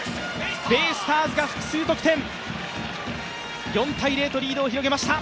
ベイスターズが複数得点、４−０とリードを広げました。